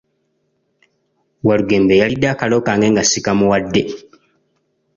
Walugembe yalidde akalo kange nga sikamuwadde.